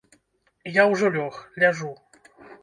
Я ўжо лёг, ляжу.